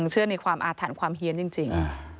เชื่อในความอาถรรพ์ความเฮียนจริง